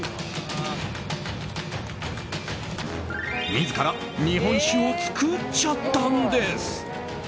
自ら日本酒を作っちゃったんです！